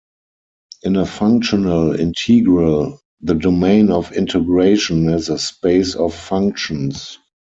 In a functional integral the domain of integration is a space of functions.